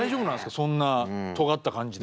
そんなとがった感じで。